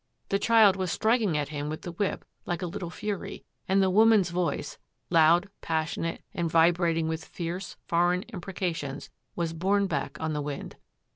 The child was striking at him with the whip like a little fury and the woman's voice — loud, passionate, and vibrating with fierce, foreign imprecations — was borne back on the wind.